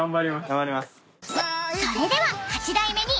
［それでは八代目に］